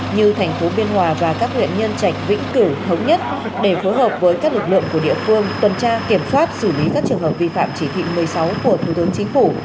như thành phố biên hòa và các huyện nhân trạch vĩnh cửu thống nhất để phối hợp với các lực lượng của địa phương tuần tra kiểm soát xử lý các trường hợp vi phạm chỉ thị một mươi sáu của thủ tướng chính phủ